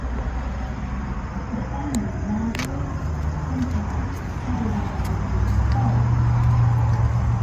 The animal matter is sometimes supplemented with berries.